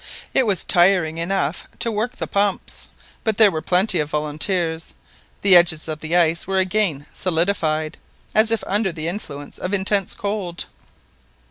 It was tiring enough to work the pumps, but there were plenty of volunteers. The edges of the ice were again solidified, as if under the influence of intense cold.